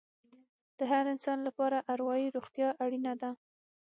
د هر انسان لپاره اروايي روغتیا اړینه ده.